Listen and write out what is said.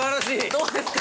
どうですか？